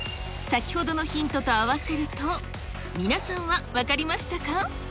先ほどのヒントと合わせると、皆さんは分かりましたか？